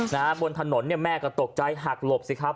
นะฮะบนถนนเนี่ยแม่ก็ตกใจหักหลบสิครับ